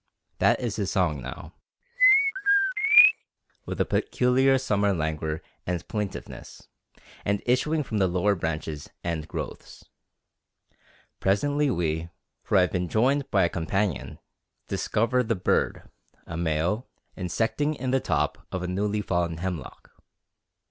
That is his song now, "twe twea twe e e a," with a peculiar summer languor and plaintiveness, and issuing from the lower branches and growths. Presently we for I have been joined by a companion discover the bird, a male, insecting in the top of a newly fallen hemlock.